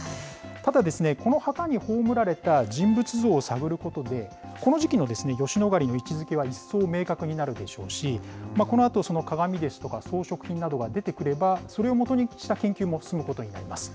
ただ、この墓に葬られた人物像を探ることで、この時期の吉野ヶ里の位置づけが一層明確になるでしょうし、このあと鏡ですとか、装飾品などが出てくれば、それを基にした研究も進むことになります。